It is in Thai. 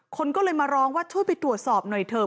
คนก็เลยมาร้องว่าช่วยไปตรวจสอบหน่อยเถอะ